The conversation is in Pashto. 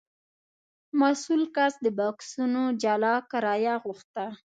مسوول کس د بکسونو جلا کرایه غوښته.